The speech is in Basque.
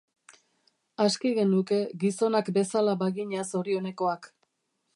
Aski genuke gizonak bezala bagina zorionekoak.